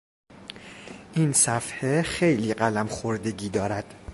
این صفحه خیلی قلم خوردگی دارد.